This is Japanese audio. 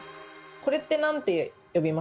これって何て呼びますか？